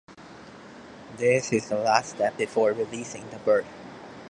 This is the last step before releasing the bird.